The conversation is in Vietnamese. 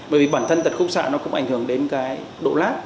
bởi vì bản thân tật khúc xạ nó cũng ảnh hưởng đến cái độ lát